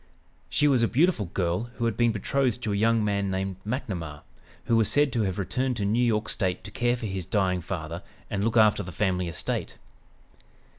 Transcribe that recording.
She was a beautiful girl who had been betrothed to a young man named McNamar, who was said to have returned to New York State to care for his dying father and look after the family estate.